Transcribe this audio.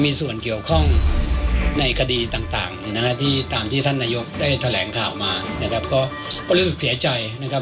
มีส่วนเกี่ยวข้องในคดีต่างนะครับตามที่ท่านนายกได้แถลงข่าวมานะครับ